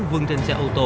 vương tinh xe ô tô